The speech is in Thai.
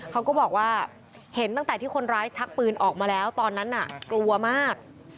เขาก็บอกว่าเห็นตั้งแต่ที่คนร้ายชักปืนออกมาแล้วตอนนั้นน่ะกลัวมาก